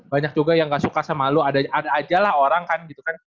banyak juga yang gak suka sama lu ada aja lah orang kan gitu kan